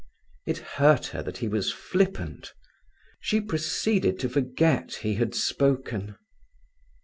It hurt her that he was flippant. She proceeded to forget he had spoken.